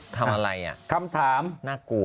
ทำอะไรอ่ะคำถามน่ากลัว